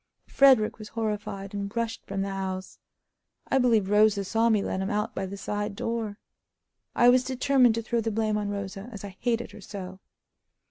Frederick was horrified, and rushed from the house. I believe Rosa saw me let him out by the side door. I was determined to throw the blame on Rosa, as I hated her so.